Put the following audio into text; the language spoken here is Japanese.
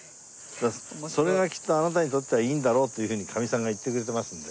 それがきっとあなたにとってはいいんだろうっていう風にカミさんが言ってくれてますので。